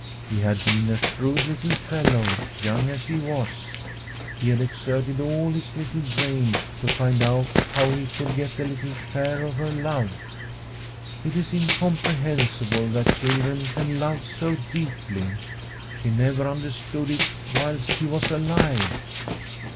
He had been a shrewd little fellow, young as he was. He had exerted all his little brain to find out how he could get a little share of her love. It is incomprehensible that children can love so deeply. She never understood it whilst he was alive.